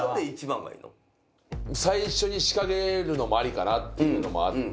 最初に仕掛けるのもありかなっていうのもあって。